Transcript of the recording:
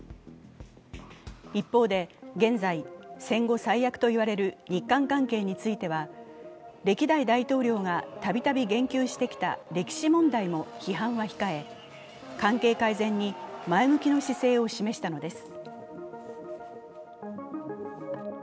一方で、現在、戦後最悪と言われる日韓関係については歴代大統領がたびたび言及してきた歴史問題も批判は控え、関係改善に前向きの姿勢を示したのです。